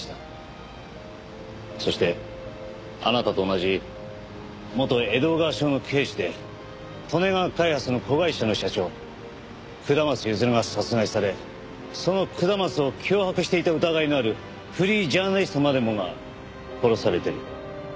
そしてあなたと同じ元江戸川署の刑事で利根川開発の子会社の社長下松譲が殺害されその下松を脅迫していた疑いのあるフリージャーナリストまでもが殺されている。